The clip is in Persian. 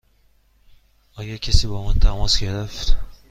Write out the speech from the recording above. آیا کسی با من تماس گرفت؟